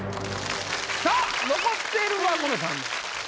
さぁ残っているのはこの３人。